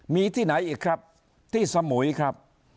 มีที่ไหนอีกครับที่สมุยครับ